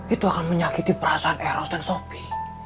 itu akan menyakiti perasaan eros dan soki